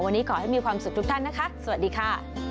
วันนี้ขอให้มีความสุขทุกท่านนะคะสวัสดีค่ะ